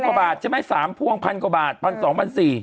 พันกว่าบาทจะไม่๓พ่วงพันกว่าบาทพันสองพันสี่